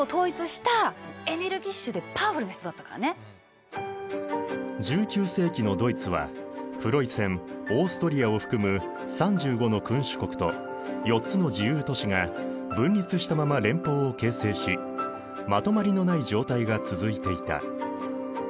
何しろビスマルクは１９世紀のドイツはプロイセンオーストリアを含む３５の君主国と４つの自由都市が分立したまま連邦を形成しまとまりのない状態が続いていた。